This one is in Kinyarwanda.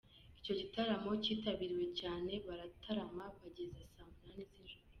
Icyo gitaramo cyaritabiriwe cyane baratarama bageza saa munani z'ijoro.